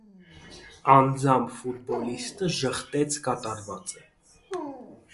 Անձամբ ֆուտբոլիստը ժխտեց կատարվածը։